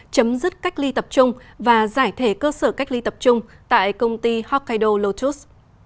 chấm dứt cách ly tập trung và giải thể cơ sở cách ly tập trung tại công ty hokkaido lotus